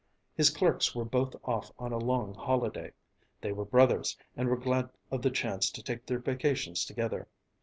His clerks were both off on a long holiday; they were brothers and were glad of the chance to take their vacations together.